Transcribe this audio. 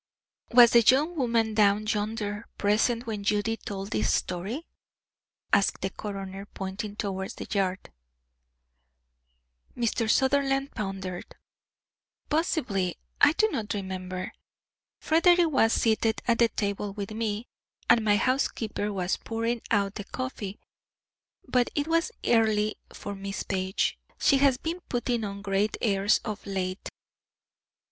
"Was the young woman down yonder present when Judy told this story?" asked the coroner, pointing towards the yard. Mr. Sutherland pondered. "Possibly; I do not remember. Frederick was seated at the table with me, and my housekeeper was pouring out the coffee, but it was early for Miss Page. She has been putting on great airs of late."